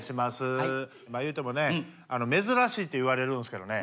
まあいうてもね珍しいって言われるんですけどね